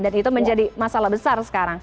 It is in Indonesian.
dan itu menjadi masalah besar sekarang